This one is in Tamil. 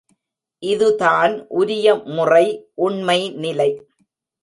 இது தான் உரிய முறை, உண்மை நிலை.